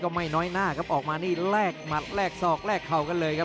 อื้อหือจังหวะขวางแล้วพยายามจะเล่นงานด้วยซอกแต่วงใน